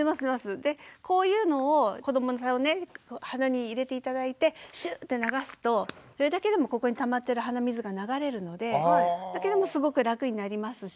こういうのを子どもさんの鼻に入れて頂いてシュッて流すとそれだけでもここにたまってる鼻水が流れるのでそれだけでもすごく楽になりますし。